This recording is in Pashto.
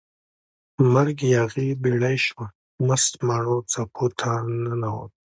مرک یاغي بیړۍ شوه، مست ماڼو څپو ته ننووت